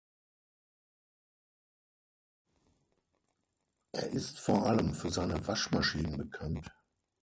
Er ist vor allem für seine Waschmaschinen bekannt.